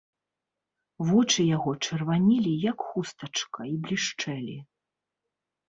Вочы яго чырванелі, як хустачка, і блішчэлі.